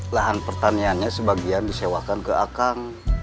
lahan pertaniannya sebagian disewakan ke akang